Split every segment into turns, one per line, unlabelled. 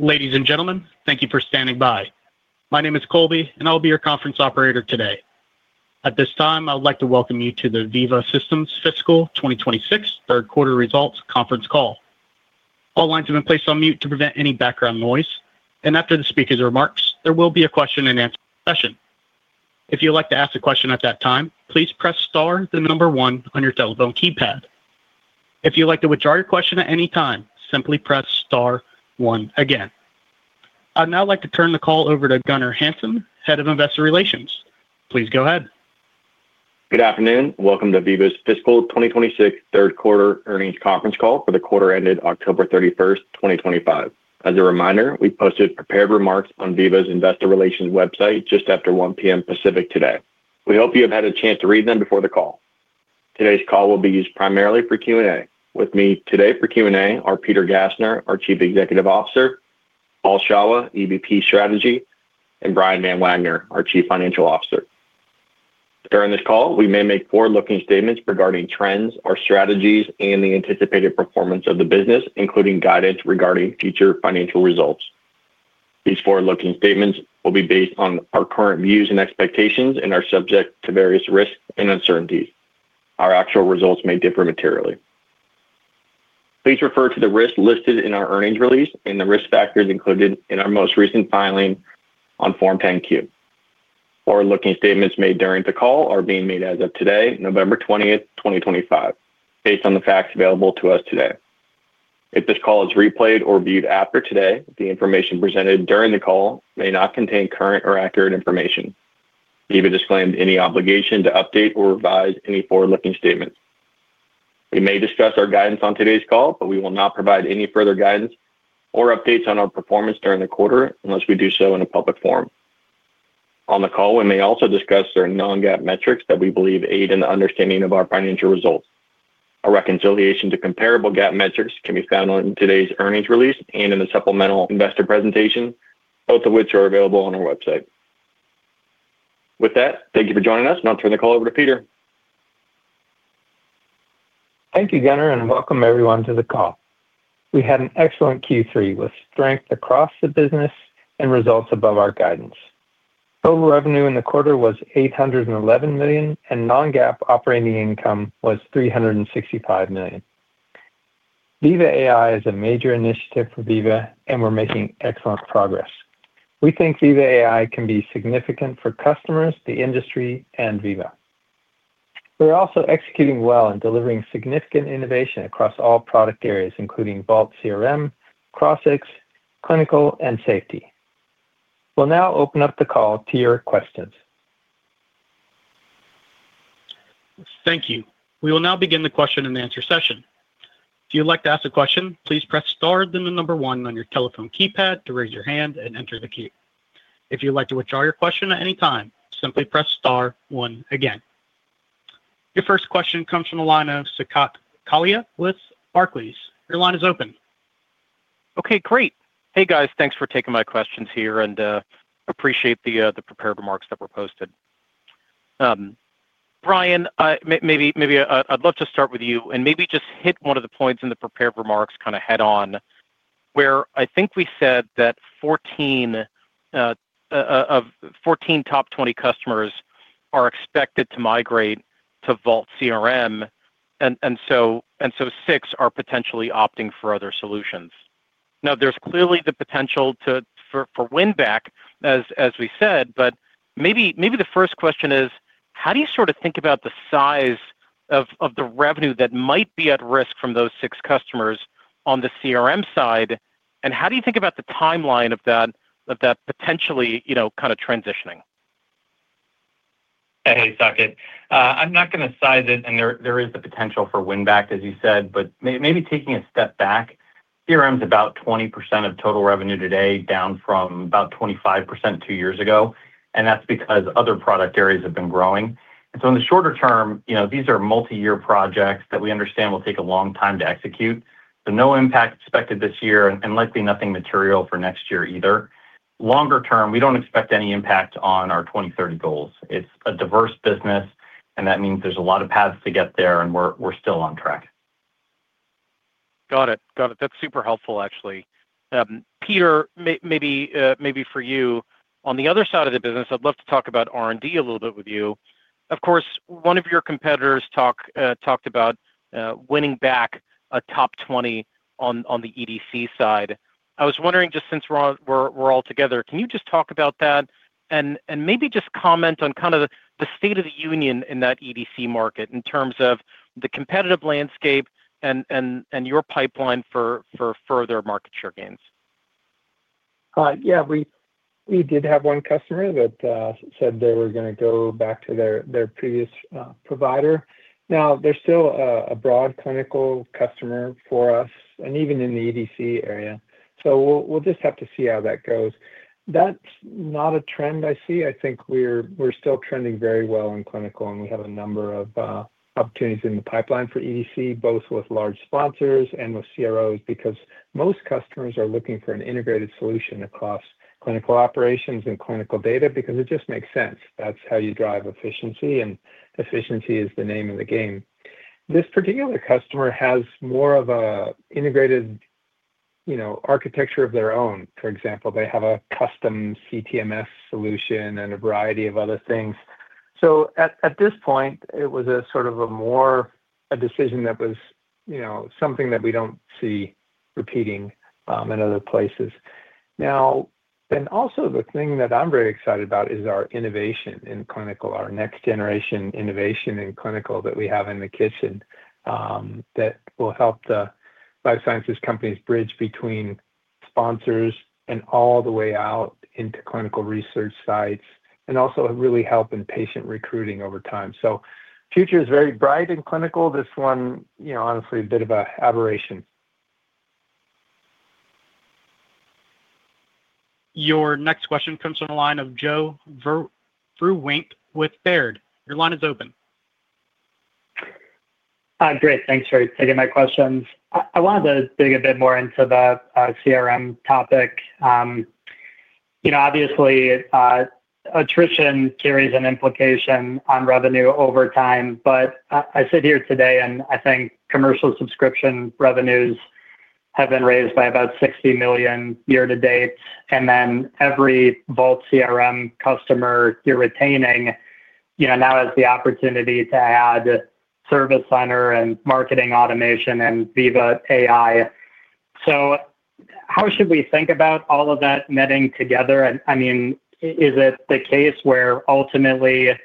Ladies and gentlemen, thank you for standing by. My name is Colby, and I'll be your conference operator today. At this time, I would like to welcome you to the Veeva Systems Fiscal 2026 third quarter results conference call. All lines have been placed on mute to prevent any background noise, and after the speaker's remarks, there will be a question and answer session. If you'd like to ask a question at that time, please press star then the number one on your telephone keypad. If you'd like to withdraw your question at any time, simply press star one again. I'd now like to turn the call over to Gunnar Hansen, Head of Investor Relations. Please go ahead.
Good afternoon. Welcome to Veeva's Fiscal 2026 third quarter earnings conference call for the quarter ended October 31, 2025. As a reminder, we posted prepared remarks on Veeva's Investor Relations website just after 1:00 P.M. Pacific today. We hope you have had a chance to read them before the call. Today's call will be used primarily for Q&A. With me today for Q&A are Peter Gassner, our Chief Executive Officer; Paul Shawah, EVP Strategy; and Brian Van Wagner, our Chief Financial Officer. During this call, we may make forward-looking statements regarding trends, our strategies, and the anticipated performance of the business, including guidance regarding future financial results. These forward-looking statements will be based on our current views and expectations and are subject to various risks and uncertainties. Our actual results may differ materially. Please refer to the risks listed in our earnings release and the risk factors included in our most recent filing on Form 10-Q. Forward-looking statements made during the call are being made as of today, November 20th, 2025, based on the facts available to us today. If this call is replayed or viewed after today, the information presented during the call may not contain current or accurate information. Veeva disclaimed any obligation to update or revise any forward-looking statements. We may discuss our guidance on today's call, but we will not provide any further guidance or updates on our performance during the quarter unless we do so in a public forum. On the call, we may also discuss certain non-GAAP metrics that we believe aid in the understanding of our financial results. A reconciliation to comparable GAAP metrics can be found on today's earnings release and in the supplemental investor presentation, both of which are available on our website. With that, thank you for joining us, and I'll turn the call over to Peter.
Thank you, Gunnar, and welcome everyone to the call. We had an excellent Q3 with strength across the business and results above our guidance. Total revenue in the quarter was $811 million, and non-GAAP operating income was $365 million. Veeva AI is a major initiative for Veeva, and we're making excellent progress. We think Veeva AI can be significant for customers, the industry, and Veeva. We're also executing well and delivering significant innovation across all product areas, including Vault CRM, Crossix, clinical, and safety. We'll now open up the call to your questions.
Thank you. We will now begin the question and answer session. If you'd like to ask a question, please press star then the number one on your telephone keypad to raise your hand and enter the queue. If you'd like to withdraw your question at any time, simply press star one again. Your first question comes from Alina Sukhotkalia with Barclays. Your line is open.
Okay, great. Hey, guys. Thanks for taking my questions here, and I appreciate the prepared remarks that were posted. Brian, maybe I'd love to start with you and maybe just hit one of the points in the prepared remarks kind of head-on where I think we said that 14 top 20 customers are expected to migrate to Vault CRM, and so six are potentially opting for other solutions. Now, there's clearly the potential for win-back, as we said, but maybe the first question is, how do you sort of think about the size of the revenue that might be at risk from those six customers on the CRM side, and how do you think about the timeline of that potentially kind of transitioning?
Hey, Sokhit. I'm not going to size it, and there is the potential for win-back, as you said, but maybe taking a step back, CRM is about 20% of total revenue today, down from about 25% two years ago, and that's because other product areas have been growing. In the shorter term, these are multi-year projects that we understand will take a long time to execute, so no impact expected this year and likely nothing material for next year either. Longer term, we don't expect any impact on our 2030 goals. It's a diverse business, and that means there's a lot of paths to get there, and we're still on track.
Got it. Got it. That's super helpful, actually. Peter, maybe for you, on the other side of the business, I'd love to talk about R&D a little bit with you. Of course, one of your competitors talked about winning back a top 20 on the EDC side. I was wondering, just since we're all together, can you just talk about that and maybe just comment on kind of the state of the union in that EDC market in terms of the competitive landscape and your pipeline for further market share gains?
Yeah. We did have one customer that said they were going to go back to their previous provider. Now, they're still a broad clinical customer for us and even in the EDC area, so we'll just have to see how that goes. That's not a trend I see. I think we're still trending very well in clinical, and we have a number of opportunities in the pipeline for EDC, both with large sponsors and with CROs because most customers are looking for an integrated solution across clinical operations and clinical data because it just makes sense. That's how you drive efficiency, and efficiency is the name of the game. This particular customer has more of an integrated architecture of their own. For example, they have a custom CTMS solution and a variety of other things. At this point, it was sort of more a decision that was something that we don't see repeating in other places. Also, the thing that I'm very excited about is our innovation in clinical, our next-generation innovation in clinical that we have in the kitchen that will help the life sciences companies bridge between sponsors and all the way out into clinical research sites and also really help in patient recruiting over time. The future is very bright in clinical. This one, honestly, a bit of an aberration.
Your next question comes from the line of Joe Vruwink with Baird. Your line is open.
Hi, great. Thanks for taking my questions. I wanted to dig a bit more into the CRM topic. Obviously, attrition carries an implication on revenue over time, but I sit here today and I think commercial subscription revenues have been raised by about $60 million year to date, and then every Vault CRM customer you're retaining now has the opportunity to add Service Center and marketing automation and Veeva AI. So how should we think about all of that netting together? I mean, is it the case where ultimately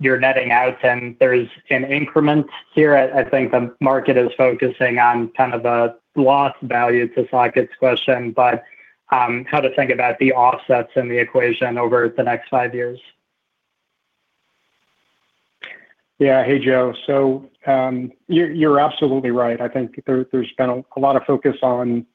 you're netting out and there's an increment here? I think the market is focusing on kind of a loss value to Sokhit's question, but how to think about the offsets in the equation over the next five years?
Yeah. Hey, Joe. You're absolutely right. I think there's been a lot of focus on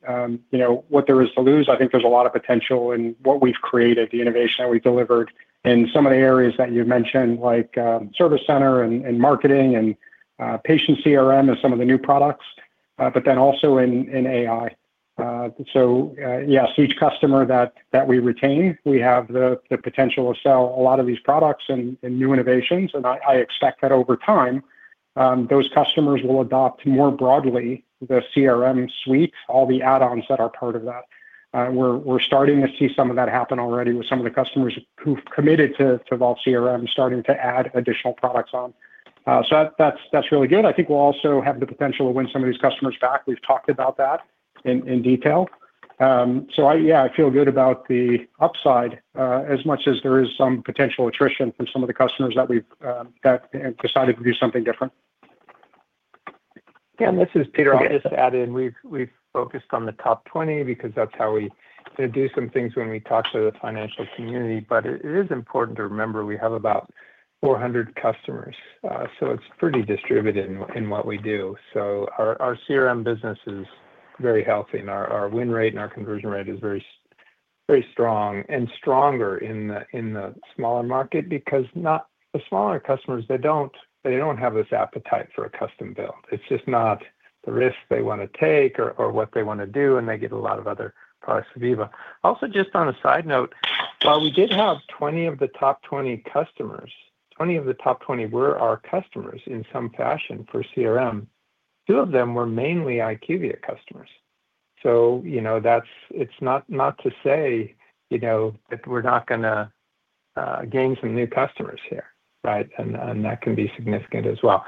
what there is to lose. I think there's a lot of potential in what we've created, the innovation that we've delivered in some of the areas that you mentioned, like Service Center and marketing and Patient CRM and some of the new products, but then also in AI. Yes, each customer that we retain, we have the potential to sell a lot of these products and new innovations, and I expect that over time those customers will adopt more broadly the CRM suite, all the add-ons that are part of that. We're starting to see some of that happen already with some of the customers who've committed to Vault CRM starting to add additional products on. That's really good. I think we'll also have the potential to win some of these customers back. We've talked about that in detail. Yeah, I feel good about the upside as much as there is some potential attrition for some of the customers that decided to do something different.
Yeah. This is Peter. I'll just add in we've focused on the top 20 because that's how we do some things when we talk to the financial community, but it is important to remember we have about 400 customers, so it's pretty distributed in what we do. Our CRM business is very healthy, and our win rate and our conversion rate is very strong and stronger in the smaller market because the smaller customers, they don't have this appetite for a custom build. It's just not the risk they want to take or what they want to do, and they get a lot of other products from Veeva. Also, just on a side note, while we did have 20 of the top 20 customers, 20 of the top 20 were our customers in some fashion for CRM, two of them were mainly IQVIA customers. It is not to say that we're not going to gain some new customers here, right? And that can be significant as well.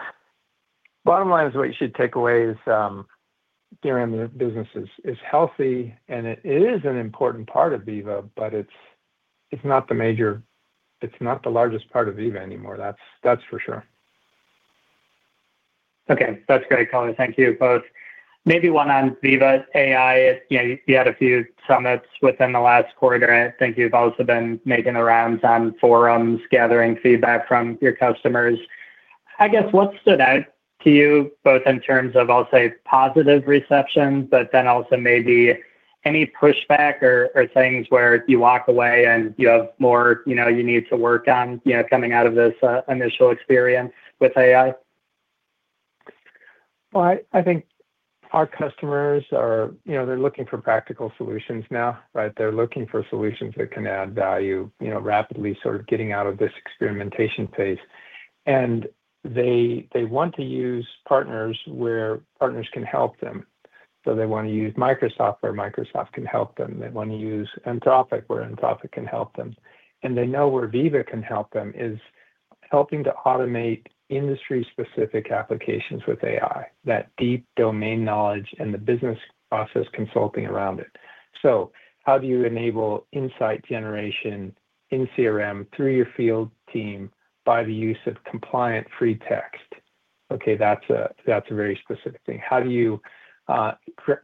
Bottom line is what you should take away is CRM business is healthy, and it is an important part of Veeva, but it's not the major, it's not the largest part of Veeva anymore. That's for sure.
Okay. That's great, Colby. Thank you both. Maybe one on Veeva AI. You had a few summits within the last quarter. I think you've also been making the rounds on forums, gathering feedback from your customers. I guess what stood out to you both in terms of, I'll say, positive reception, but then also maybe any pushback or things where you walk away and you have more you need to work on coming out of this initial experience with AI?
I think our customers, they're looking for practical solutions now, right? They're looking for solutions that can add value rapidly, sort of getting out of this experimentation phase. They want to use partners where partners can help them. They want to use Microsoft where Microsoft can help them. They want to use Anthropic where Anthropic can help them. They know where Veeva can help them is helping to automate industry-specific applications with AI, that deep domain knowledge and the business process consulting around it. How do you enable insight generation in CRM through your field team by the use of compliant free text? Okay, that's a very specific thing. How do you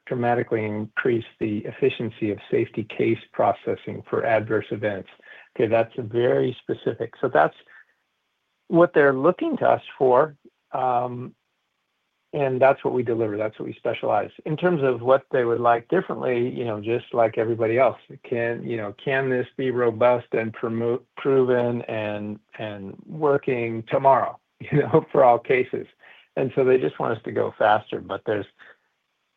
dramatically increase the efficiency of safety case processing for adverse events? Okay, that's very specific. That's what they're looking to us for, and that's what we deliver. That's what we specialize in terms of what they would like differently, just like everybody else. Can this be robust and proven and working tomorrow for all cases? They just want us to go faster, but there's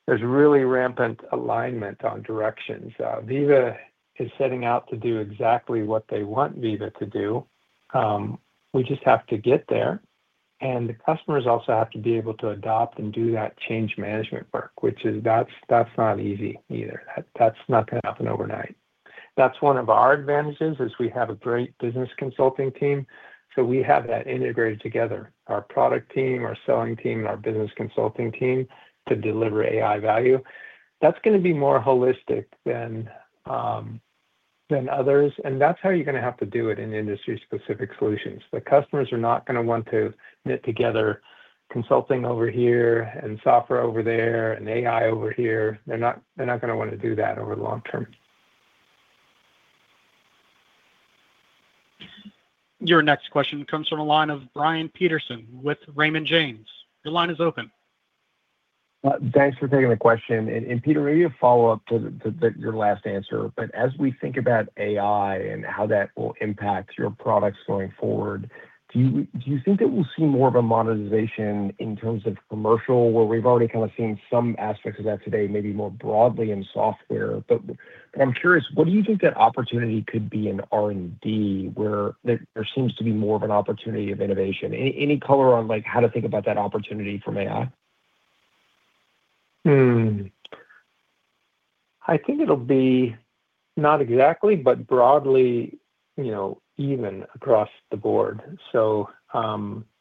really rampant alignment on directions. Veeva is setting out to do exactly what they want Veeva to do. We just have to get there, and the customers also have to be able to adopt and do that change management work, which is not easy either. That's not going to happen overnight. One of our advantages is we have a great business consulting team. We have that integrated together, our product team, our selling team, and our business consulting team to deliver AI value. That's going to be more holistic than others, and that's how you're going to have to do it in industry-specific solutions. The customers are not going to want to knit together consulting over here and software over there and AI over here. They're not going to want to do that over the long term.
Your next question comes from a line of Brian Peterson with Raymond James. Your line is open.
Thanks for taking the question. Peter, maybe a follow-up to your last answer, but as we think about AI and how that will impact your products going forward, do you think that we'll see more of a monetization in terms of commercial where we've already kind of seen some aspects of that today, maybe more broadly in software? I'm curious, what do you think that opportunity could be in R&D where there seems to be more of an opportunity of innovation? Any color on how to think about that opportunity from AI?
I think it'll be not exactly, but broadly even across the board.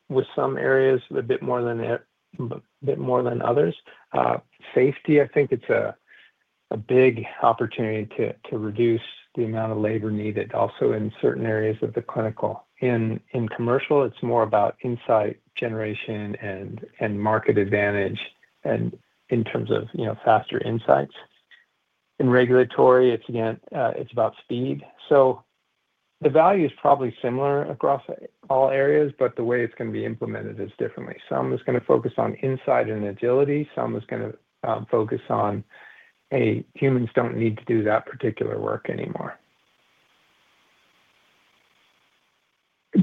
With some areas, a bit more than others. Safety, I think it's a big opportunity to reduce the amount of labor needed also in certain areas of the clinical. In commercial, it's more about insight generation and market advantage in terms of faster insights. In regulatory, it's about speed. The value is probably similar across all areas, but the way it's going to be implemented is differently. Some is going to focus on insight and agility. Some is going to focus on, "Hey, humans don't need to do that particular work anymore.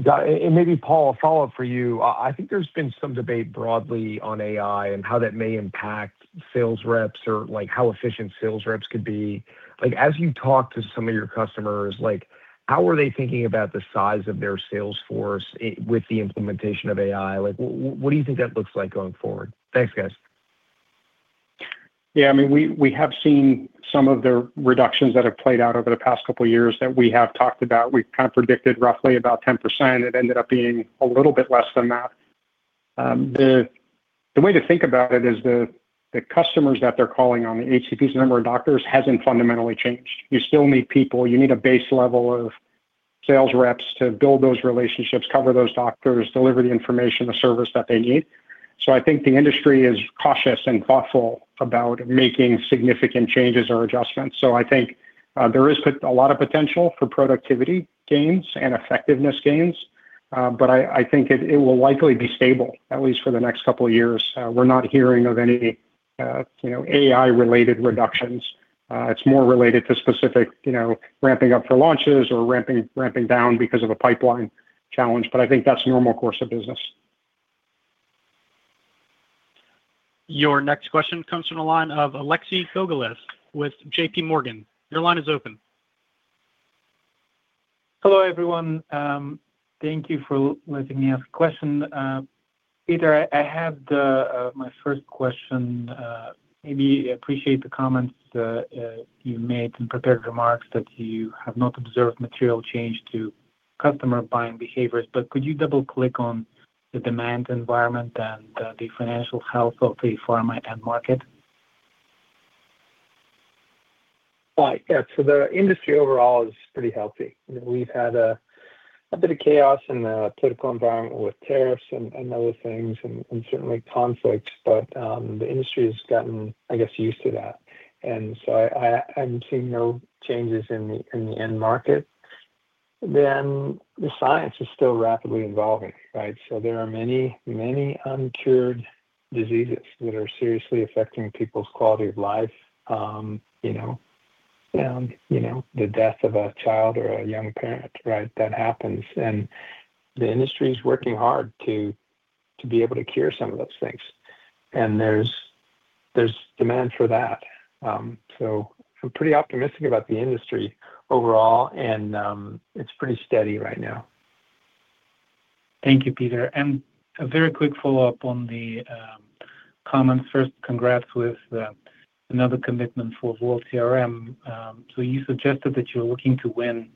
Maybe, Paul, a follow-up for you. I think there's been some debate broadly on AI and how that may impact sales reps or how efficient sales reps could be. As you talk to some of your customers, how are they thinking about the size of their sales force with the implementation of AI? What do you think that looks like going forward? Thanks, guys.
Yeah. I mean, we have seen some of the reductions that have played out over the past couple of years that we have talked about. We kind of predicted roughly about 10%. It ended up being a little bit less than that. The way to think about it is the customers that they're calling on, the HCPs, number of doctors, hasn't fundamentally changed. You still need people. You need a base level of sales reps to build those relationships, cover those doctors, deliver the information, the service that they need. I think the industry is cautious and thoughtful about making significant changes or adjustments. I think there is a lot of potential for productivity gains and effectiveness gains, but I think it will likely be stable, at least for the next couple of years. We're not hearing of any AI-related reductions. It's more related to specific ramping up for launches or ramping down because of a pipeline challenge, but I think that's a normal course of business.
Your next question comes from a line of Alexi Gogolev with J.P. Morgan. Your line is open.
Hello, everyone. Thank you for letting me ask a question. Peter, I have my first question. Maybe I appreciate the comments you made in prepared remarks that you have not observed material change to customer buying behaviors, but could you double-click on the demand environment and the financial health of a pharma end market?
Yeah. The industry overall is pretty healthy. We've had a bit of chaos in the political environment with tariffs and other things and certainly conflicts, but the industry has gotten, I guess, used to that. I'm seeing no changes in the end market. The science is still rapidly evolving, right? There are many, many uncured diseases that are seriously affecting people's quality of life. And the death of a child or a young parent, right? That happens. The industry is working hard to be able to cure some of those things. There's demand for that. I'm pretty optimistic about the industry overall, and it's pretty steady right now.
Thank you, Peter. A very quick follow-up on the comments. First, congrats with another commitment for Vault CRM. You suggested that you're looking to win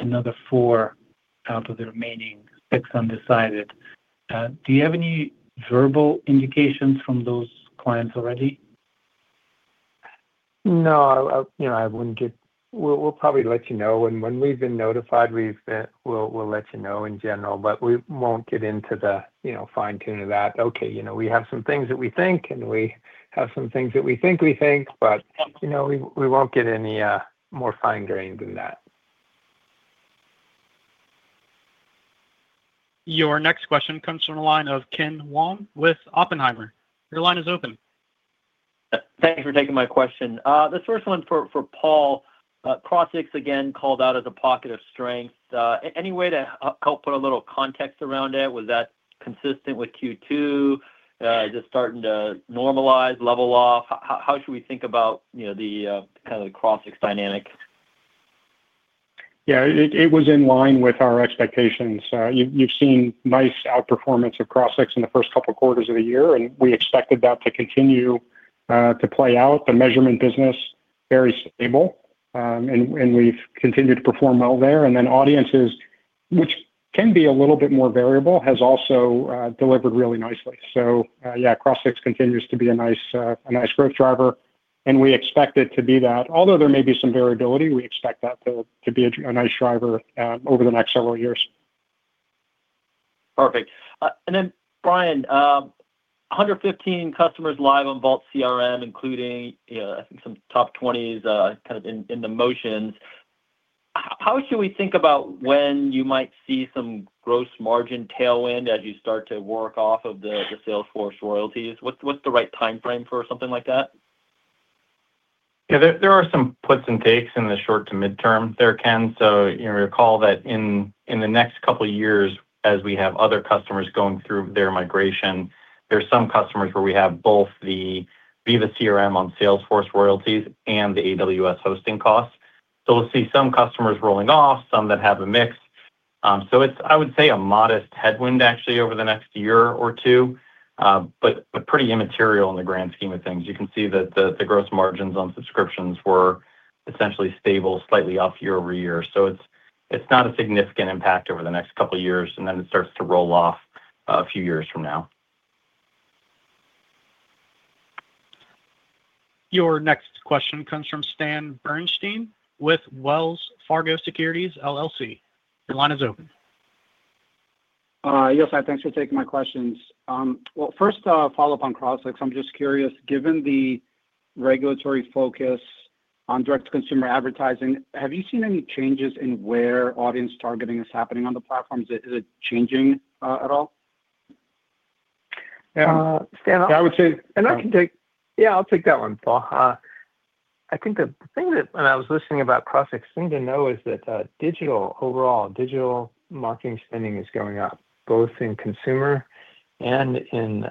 another four out of the remaining six undecided. Do you have any verbal indications from those clients already?
No. I wouldn't get, we'll probably let you know. When we've been notified, we'll let you know in general, but we won't get into the fine-tune of that. Okay. We have some things that we think, and we have some things that we think we think, but we won't get any more fine-grained than that.
Your next question comes from a line of Ken Wong with Oppenheimer. Your line is open.
Thanks for taking my question. This first one for Paul. Crossix again called out as a pocket of strength. Any way to help put a little context around it? Was that consistent with Q2? Is it starting to normalize, level off? How should we think about the kind of the Crossix dynamic?
Yeah. It was in line with our expectations. You've seen nice outperformance of Crossix in the first couple of quarters of the year, and we expected that to continue to play out. The measurement business is very stable, and we've continued to perform well there. Audiences, which can be a little bit more variable, have also delivered really nicely. Yeah, Crossix continues to be a nice growth driver, and we expect it to be that. Although there may be some variability, we expect that to be a nice driver over the next several years.
Perfect. Brian, 115 customers live on Vault CRM, including some top 20s kind of in the motions. How should we think about when you might see some gross margin tailwind as you start to work off of the Salesforce royalties? What's the right timeframe for something like that?
Yeah. There are some puts and takes in the short to midterm there can. Recall that in the next couple of years, as we have other customers going through their migration, there are some customers where we have both the Veeva CRM on Salesforce royalties and the AWS hosting costs. We will see some customers rolling off, some that have a mix. I would say a modest headwind actually over the next year or two, but pretty immaterial in the grand scheme of things. You can see that the gross margins on subscriptions were essentially stable, slightly up year over year. It is not a significant impact over the next couple of years, and then it starts to roll off a few years from now.
Your next question comes from Stan Berenshteyn with Wells Fargo Securities. Your line is open.
Yes, thanks for taking my questions. First, a follow-up on Crossix. I'm just curious, given the regulatory focus on direct-to-consumer advertising, have you seen any changes in where audience targeting is happening on the platforms? Is it changing at all?
Stan?
Yeah. I would say.
I can take—yeah, I'll take that one, Paul. I think the thing that when I was listening about Crossix, the thing to know is that digital overall, digital marketing spending is going up both in consumer and in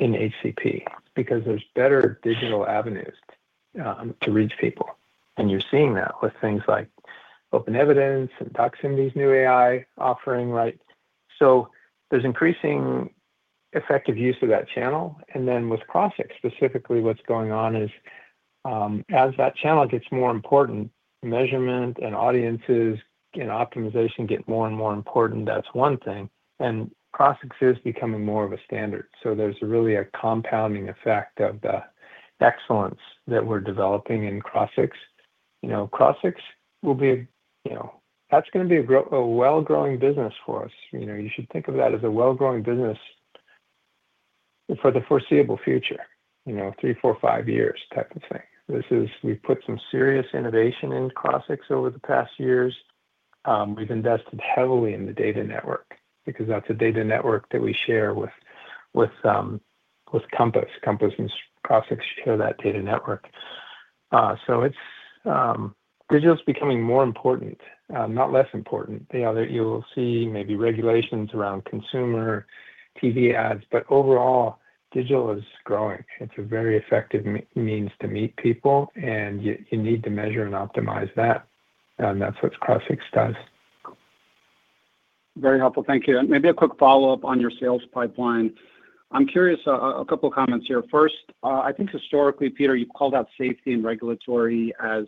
HCP because there's better digital avenues to reach people. You're seeing that with things like OpenEvidence and Doximity's new AI offering, right? There's increasing effective use of that channel. With Crossix, specifically, what's going on is as that channel gets more important, measurement and audiences and optimization get more and more important. That's one thing. Crossix is becoming more of a standard. There's really a compounding effect of the excellence that we're developing in Crossix. Crossix will be—that's going to be a well-growing business for us. You should think of that as a well-growing business for the foreseeable future, three, four, five years type of thing. We've put some serious innovation in Crossix over the past years. We've invested heavily in the data network because that's a data network that we share with Compass. Compass and Crossix share that data network. Digital is becoming more important, not less important. You will see maybe regulations around consumer TV ads, but overall, digital is growing. It's a very effective means to meet people, and you need to measure and optimize that. That's what Crossix does.
Very helpful. Thank you. Maybe a quick follow-up on your sales pipeline. I'm curious, a couple of comments here. First, I think historically, Peter, you've called out safety and regulatory as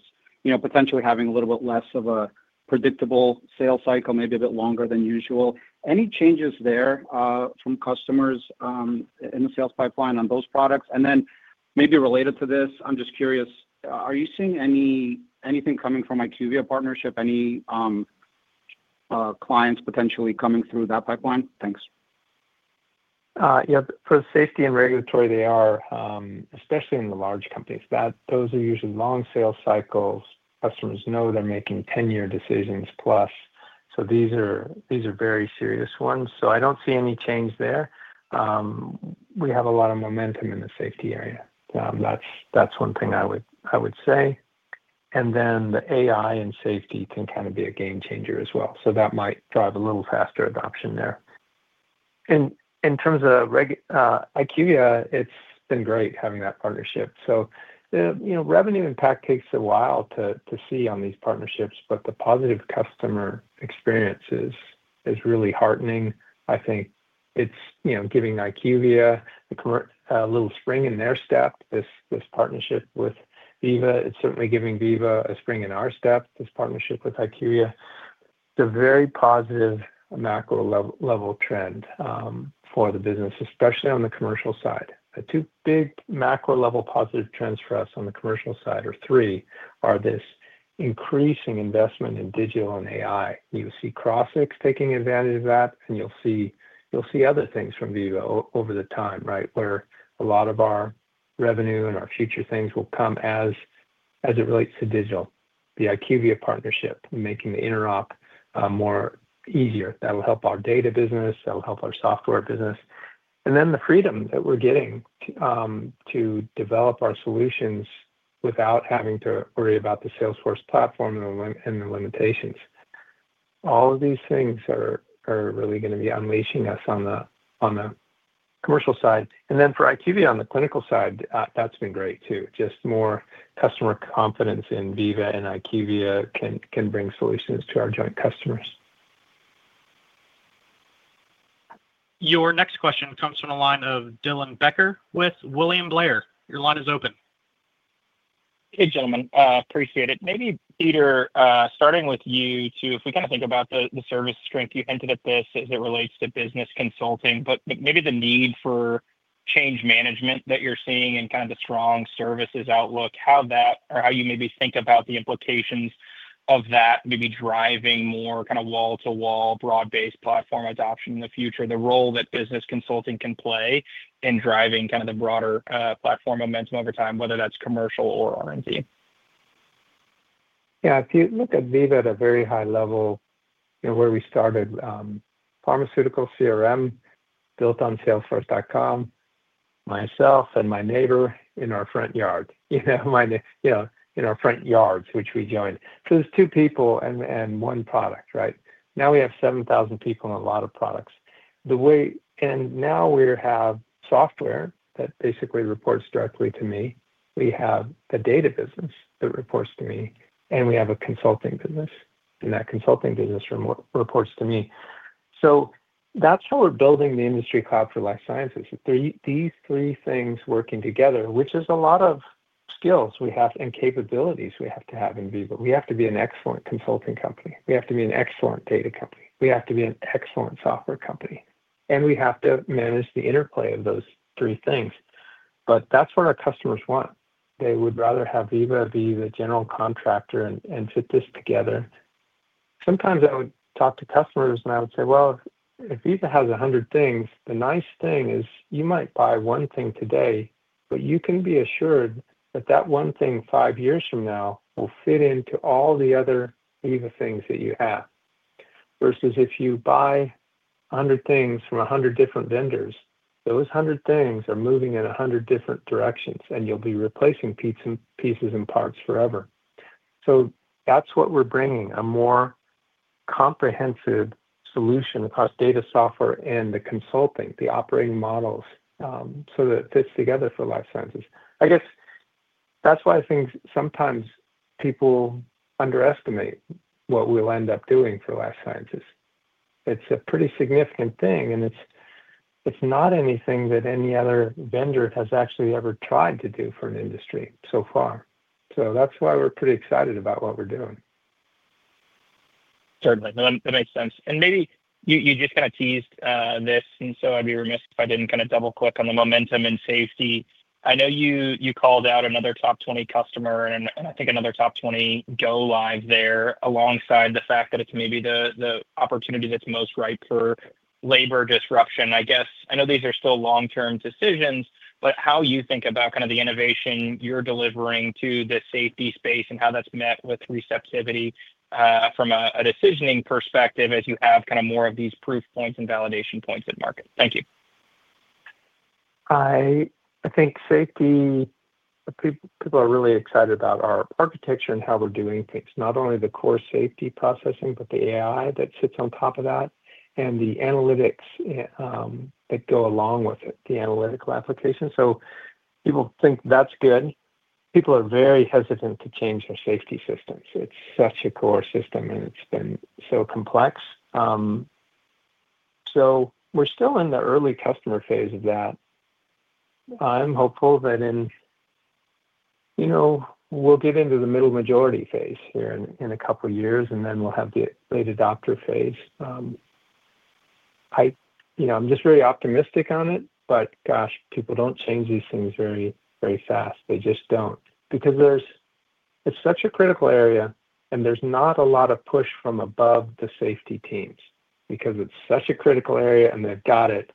potentially having a little bit less of a predictable sales cycle, maybe a bit longer than usual. Any changes there from customers in the sales pipeline on those products? Maybe related to this, I'm just curious, are you seeing anything coming from IQVIA Partnership? Any clients potentially coming through that pipeline? Thanks.
Yeah. For safety and regulatory, they are, especially in the large companies, those are usually long sales cycles. Customers know they're making 10-year decisions plus. These are very serious ones. I don't see any change there. We have a lot of momentum in the safety area. That's one thing I would say. The AI and safety can kind of be a game changer as well. That might drive a little faster adoption there. In terms of IQVIA, it's been great having that partnership. Revenue impact takes a while to see on these partnerships, but the positive customer experience is really heartening. I think it's giving IQVIA a little spring in their step, this partnership with Veeva. It's certainly giving Veeva a spring in our step, this partnership with IQVIA. It's a very positive macro-level trend for the business, especially on the commercial side. Two big macro-level positive trends for us on the commercial side are, three, are this increasing investment in digital and AI. You'll see Crossix taking advantage of that, and you'll see other things from Veeva over the time, right, where a lot of our revenue and our future things will come as it relates to digital. The IQVIA partnership, making the interop more easier. That will help our data business. That will help our software business. The freedom that we're getting to develop our solutions without having to worry about the Salesforce platform and the limitations. All of these things are really going to be unleashing us on the commercial side. For IQVIA on the clinical side, that's been great too. Just more customer confidence in Veeva and IQVIA can bring solutions to our joint customers.
Your next question comes from a line of Dylan Becker with William Blair. Your line is open.
Hey, gentlemen. Appreciate it. Maybe, Peter, starting with you too, if we kind of think about the service strength, you hinted at this as it relates to business consulting, but maybe the need for change management that you're seeing and kind of the strong services outlook, how you maybe think about the implications of that maybe driving more kind of wall-to-wall, broad-based platform adoption in the future, the role that business consulting can play in driving kind of the broader platform momentum over time, whether that's commercial or R&D?
Yeah. If you look at Veeva at a very high level, where we started, pharmaceutical CRM built on Salesforce, myself and my neighbor in our front yard, in our front yards, which we joined. So there's two people and one product, right? Now we have 7,000 people and a lot of products. Now we have software that basically reports directly to me. We have a data business that reports to me, and we have a consulting business. That consulting business reports to me. That is how we're building the industry cloud for life sciences. These three things working together, which is a lot of skills we have and capabilities we have to have in Veeva. We have to be an excellent consulting company. We have to be an excellent data company. We have to be an excellent software company. We have to manage the interplay of those three things. That is what our customers want. They would rather have Veeva be the general contractor and fit this together. Sometimes I would talk to customers, and I would say, "Well, if Veeva has 100 things, the nice thing is you might buy one thing today, but you can be assured that that one thing five years from now will fit into all the other Veeva things that you have." Versus if you buy 100 things from 100 different vendors, those 100 things are moving in 100 different directions, and you'll be replacing pieces and parts forever. That is what we are bringing, a more comprehensive solution across data, software, and the consulting, the operating models, so that it fits together for life sciences. I guess that is why I think sometimes people underestimate what we will end up doing for life sciences. It's a pretty significant thing, and it's not anything that any other vendor has actually ever tried to do for an industry so far. That's why we're pretty excited about what we're doing.
Certainly. That makes sense. Maybe you just kind of teased this, and so I'd be remiss if I didn't kind of double-click on the momentum in safety. I know you called out another top 20 customer, and I think another top 20 go live there alongside the fact that it's maybe the opportunity that's most ripe for labor disruption. I know these are still long-term decisions, but how you think about kind of the innovation you're delivering to the safety space and how that's met with receptivity from a decisioning perspective as you have kind of more of these proof points and validation points at market? Thank you.
I think safety, people are really excited about our architecture and how we're doing things. Not only the core safety processing, but the AI that sits on top of that and the analytics that go along with it, the analytical application. People think that's good. People are very hesitant to change their safety systems. It's such a core system, and it's been so complex. We're still in the early customer phase of that. I'm hopeful that we'll get into the middle majority phase here in a couple of years, and then we'll have the late adopter phase. I'm just very optimistic on it, but gosh, people don't change these things very fast. They just don't. Because it's such a critical area, and there's not a lot of push from above the safety teams because it's such a critical area, and they've got it.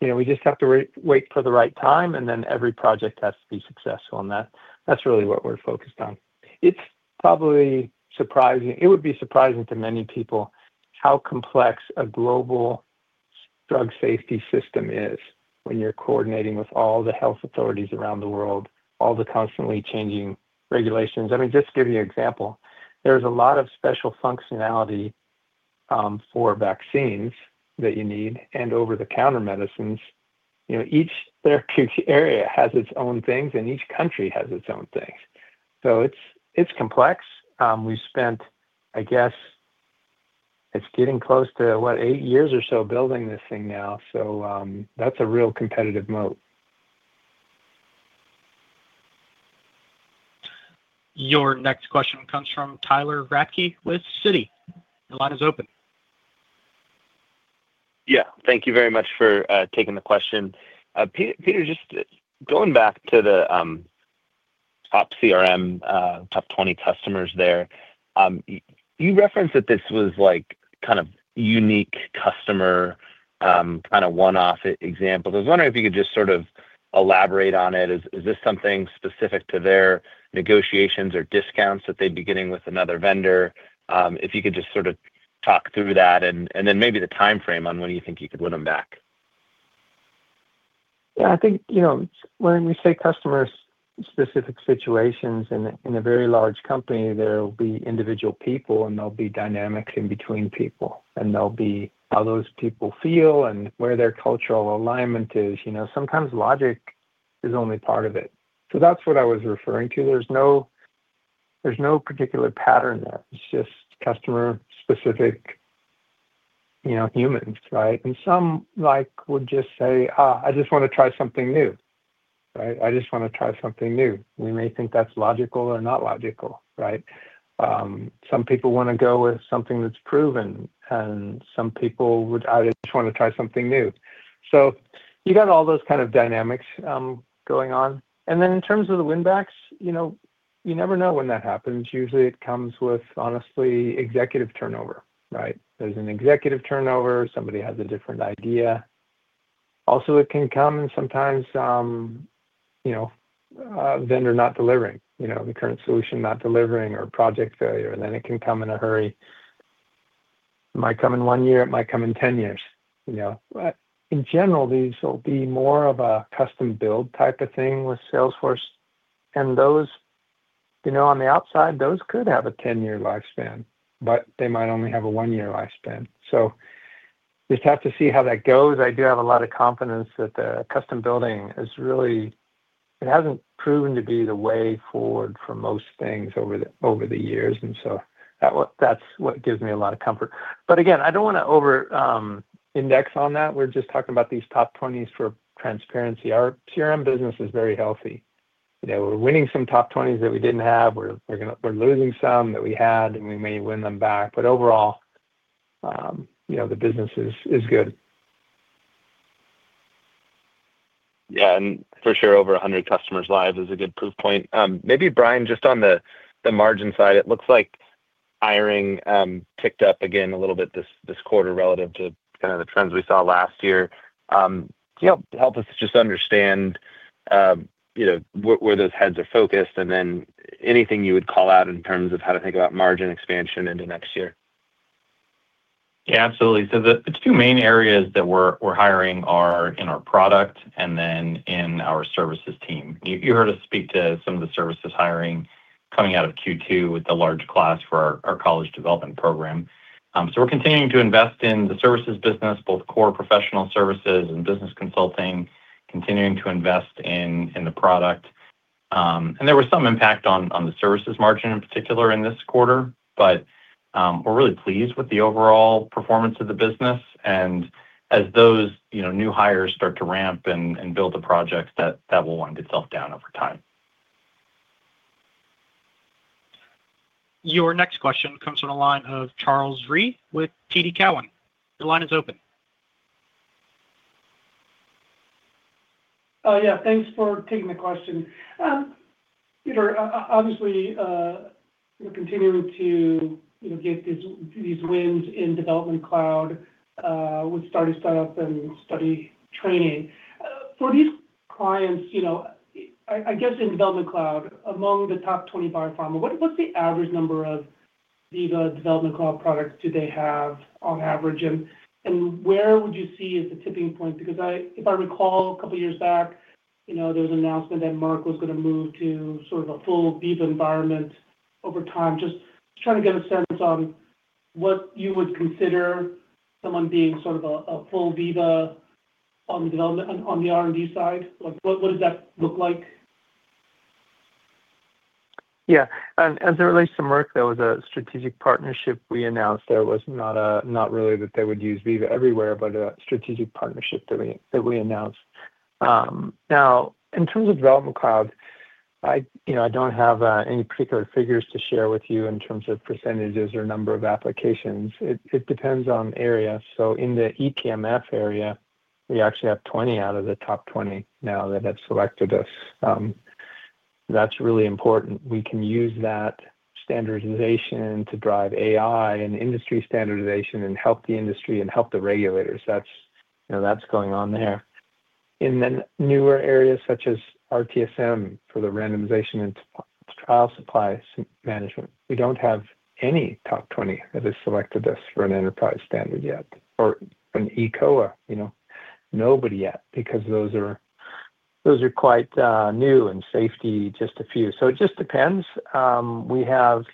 We just have to wait for the right time, and then every project has to be successful. That's really what we're focused on. It would be surprising to many people how complex a global drug safety system is when you're coordinating with all the health authorities around the world, all the constantly changing regulations. I mean, just to give you an example, there's a lot of special functionality for vaccines that you need and over-the-counter medicines. Each therapeutic area has its own things, and each country has its own things. It's complex. We've spent, I guess, it's getting close to, what, eight years or so building this thing now. That's a real competitive moat.
Your next question comes from Tyler Radke with Citi. Your line is open.
Yeah. Thank you very much for taking the question. Peter, just going back to the top CRM, top 20 customers there, you referenced that this was kind of unique customer, kind of one-off example. I was wondering if you could just sort of elaborate on it. Is this something specific to their negotiations or discounts that they'd be getting with another vendor? If you could just sort of talk through that and then maybe the timeframe on when you think you could win them back?
Yeah. I think when we say customer-specific situations in a very large company, there will be individual people, and there'll be dynamics in between people. And there'll be how those people feel and where their cultural alignment is. Sometimes logic is only part of it. That is what I was referring to. There is no particular pattern there. It is just customer-specific humans, right? Some would just say, "I just want to try something new," right? "I just want to try something new." We may think that is logical or not logical, right? Some people want to go with something that is proven, and some people would, "I just want to try something new." You have got all those kind of dynamics going on. In terms of the win-backs, you never know when that happens. Usually, it comes with, honestly, executive turnover, right? There is an executive turnover. Somebody has a different idea. Also, it can come sometimes vendor not delivering, the current solution not delivering or project failure. It can come in a hurry. It might come in one year. It might come in 10 years. In general, these will be more of a custom-build type of thing with Salesforce. On the outside, those could have a 10-year lifespan, but they might only have a one-year lifespan. Just have to see how that goes. I do have a lot of confidence that the custom building is really it hasn't proven to be the way forward for most things over the years. That is what gives me a lot of comfort. I do not want to over-index on that. We are just talking about these top 20s for transparency. Our CRM business is very healthy. We're winning some top 20s that we didn't have. We're losing some that we had, and we may win them back. Overall, the business is good.
Yeah. For sure, over 100 customers live is a good proof point. Maybe, Brian, just on the margin side, it looks like hiring ticked up again a little bit this quarter relative to kind of the trends we saw last year. Help us just understand where those heads are focused, and then anything you would call out in terms of how to think about margin expansion into next year?
Yeah, absolutely. The two main areas that we're hiring are in our product and then in our services team. You heard us speak to some of the services hiring coming out of Q2 with the large class for our college development program. We're continuing to invest in the services business, both core professional services and business consulting, continuing to invest in the product. There was some impact on the services margin in particular in this quarter, but we're really pleased with the overall performance of the business. As those new hires start to ramp and build a project, that will wind itself down over time.
Your next question comes from a line of Charles Rhyee with TD Cowen. Your line is open.
Oh, yeah. Thanks for taking the question. Peter, obviously, we're continuing to get these wins in Development Cloud with startups and study training. For these clients, I guess in Development Cloud, among the top 20 biopharma, what's the average number of Veeva Development Cloud products do they have on average? Where would you see is the tipping point? Because if I recall, a couple of years back, there was an announcement that Merck was going to move to sort of a full Veeva environment over time. Just trying to get a sense on what you would consider someone being sort of a full Veeva on the development and on the R&D side. What does that look like?
Yeah. As it relates to Merck, there was a strategic partnership we announced. There was not really that they would use Veeva everywhere, but a strategic partnership that we announced. Now, in terms of Development Cloud, I do not have any particular figures to share with you in terms of percentages or number of applications. It depends on area. In the eCTMF area, we actually have 20 out of the top 20 now that have selected us. That is really important. We can use that standardization to drive AI and industry standardization and help the industry and help the regulators. That is going on there. In the newer areas such as RTSM for the randomization and trial supply management, we do not have any top 20 that have selected us for an enterprise standard yet or an eCOA. Nobody yet because those are quite new and safety just a few. It just depends. We have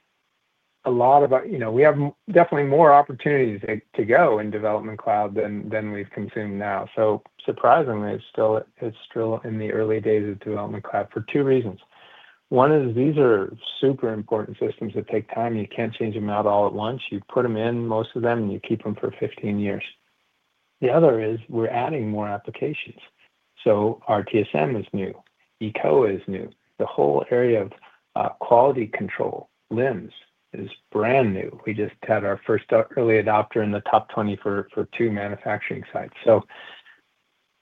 definitely more opportunities to go in Development Cloud than we've consumed now. Surprisingly, it's still in the early days of Development Cloud for two reasons. One is these are super important systems that take time. You can't change them out all at once. You put them in, most of them, and you keep them for 15 years. The other is we're adding more applications. RTSM is new. eCOA is new. The whole area of quality control LIMS is brand new. We just had our first early adopter in the top 20 for two manufacturing sites.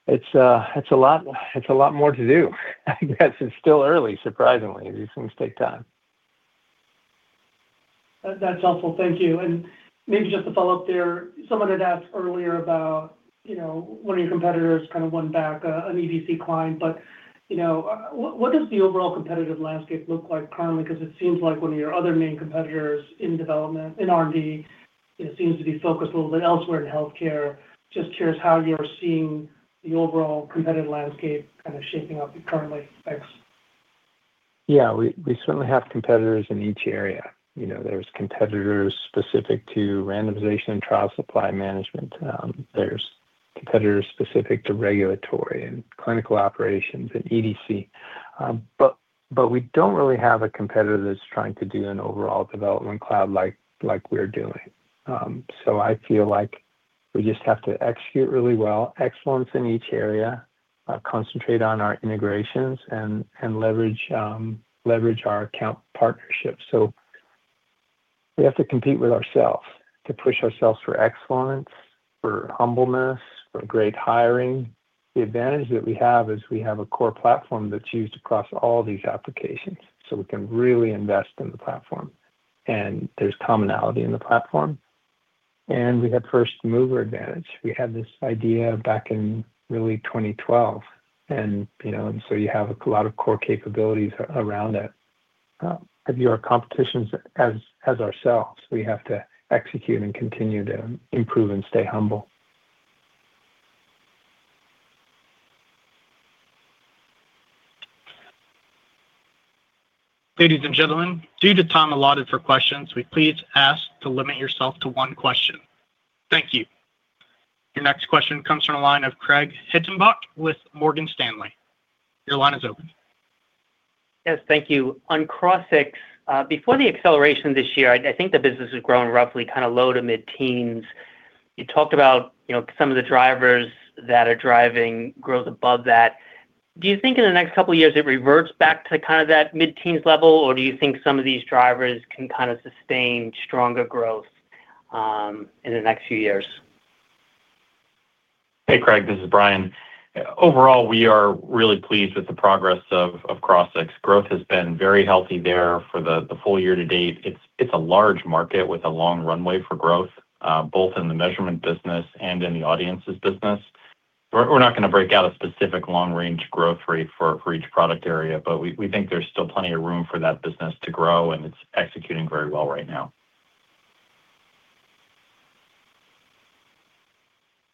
It's a lot more to do. I guess it's still early, surprisingly. These things take time.
That's helpful. Thank you. Maybe just to follow up there, someone had asked earlier about one of your competitors kind of won back an EDC client. What does the overall competitive landscape look like currently? It seems like one of your other main competitors in development in R&D seems to be focused a little bit elsewhere in healthcare. Just curious how you're seeing the overall competitive landscape kind of shaping up currently? Thanks.
Yeah. We certainly have competitors in each area. There's competitors specific to randomization and trial supply management. There's competitors specific to regulatory and clinical operations and EDC. We don't really have a competitor that's trying to do an overall development cloud like we're doing. I feel like we just have to execute really well, excellence in each area, concentrate on our integrations, and leverage our account partnerships. We have to compete with ourselves to push ourselves for excellence, for humbleness, for great hiring. The advantage that we have is we have a core platform that's used across all these applications. We can really invest in the platform. There's commonality in the platform. We have first mover advantage. We had this idea back in really 2012. You have a lot of core capabilities around it. If you are competitors as ourselves, we have to execute and continue to improve and stay humble.
Ladies and gentlemen, due to time allotted for questions, we please ask to limit yourself to one question. Thank you. Your next question comes from a line of Craig Hettenbach with Morgan Stanley. Your line is open.
Yes. Thank you. On Crossix, before the acceleration this year, I think the business has grown roughly kind of low to mid-teens. You talked about some of the drivers that are driving growth above that. Do you think in the next couple of years it reverts back to kind of that mid-teens level, or do you think some of these drivers can kind of sustain stronger growth in the next few years?
Hey, Craig. This is Brian. Overall, we are really pleased with the progress of Crossix. Growth has been very healthy there for the full year to date. It's a large market with a long runway for growth, both in the measurement business and in the audience's business. We're not going to break out a specific long-range growth rate for each product area, but we think there's still plenty of room for that business to grow, and it's executing very well right now.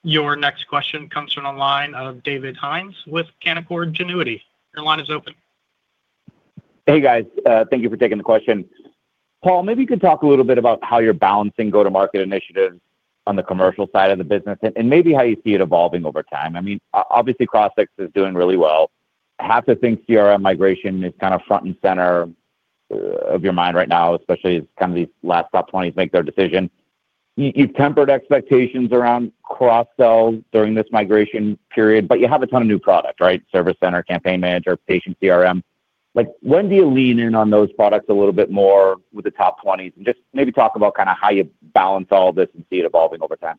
Your next question comes from a line of David Hines with Canaccord Genuity. Your line is open.
Hey, guys. Thank you for taking the question. Paul, maybe you could talk a little bit about how you're balancing go-to-market initiatives on the commercial side of the business and maybe how you see it evolving over time. I mean, obviously, Crossix is doing really well. Half the things CRM migration is kind of front and center of your mind right now, especially as kind of these last top 20s make their decision. You've tempered expectations around cross-sell during this migration period, but you have a ton of new product, right? Service Center, Campaign Manager, Patient CRM. When do you lean in on those products a little bit more with the top 20s? Just maybe talk about kind of how you balance all this and see it evolving over time.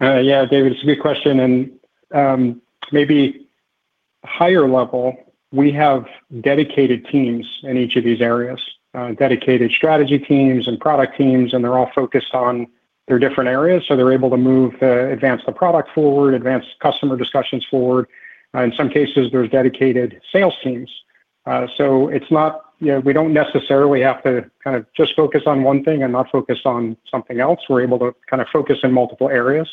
Yeah, David, it's a good question. Maybe higher level, we have dedicated teams in each of these areas, dedicated strategy teams and product teams, and they're all focused on their different areas. They're able to move to advance the product forward, advance customer discussions forward. In some cases, there's dedicated sales teams. We don't necessarily have to kind of just focus on one thing and not focus on something else. We're able to kind of focus in multiple areas.